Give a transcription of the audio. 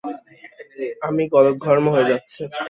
আমি গলদঘর্ম হয়ে যাচ্ছি।